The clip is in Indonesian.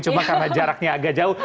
cuma karena jaraknya agak jauh